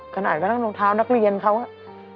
ขนาดก็ต้องท้าวนักเรียนเค้าอะ